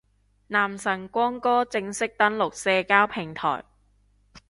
男神光哥正式登陸社交平台